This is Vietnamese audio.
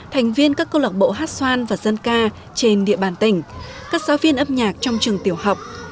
thành viên các câu lạc bộ hát xoan và dân ca trên địa bàn tỉnh các giáo viên âm nhạc trong trường tiểu học